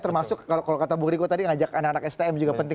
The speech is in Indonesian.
termasuk kalau kata bung riko tadi ngajak anak anak stm juga penting